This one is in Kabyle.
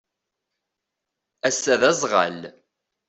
Ass-a d azɣal.